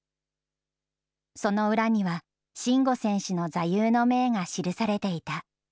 その裏には、慎吾選手の座右の銘が記されていた。